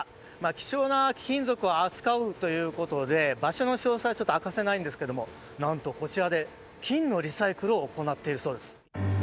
貴重な貴金属を扱うということで場所の詳細はちょっと明かせないんですがなんと、こちらで金のリサイクルを行っているそうです。